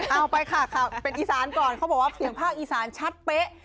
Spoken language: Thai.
เอาไปค่ะเป็นอีสานก่อนเขาบอกว่าเสียงภาคอีสานชัดเป๊ะ